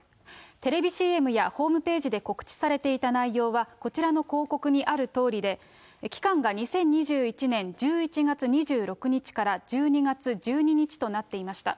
テレビＣＭやホームページで告知されていた内容は、こちらの広告にあるとおりで、期間が２０２１年１１月２６日から１２月１２日となっていました。